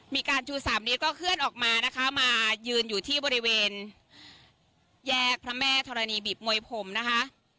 มีการชูสามนิ้วก็เคลื่อนออกมานะคะมายืนอยู่ที่บริเวณแยกพระแม่ธรณีบีบมวยผมนะคะ